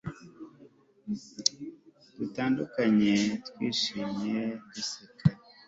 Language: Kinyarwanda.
dutandukanye twishimye duseka